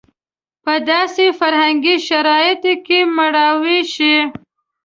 په داسې فرهنګي شرایطو کې مړاوې شي.